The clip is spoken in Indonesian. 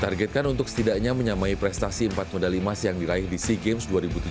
targetkan untuk setidaknya menyamai prestasi empat medali emas yang diraih di sea games dua ribu tujuh belas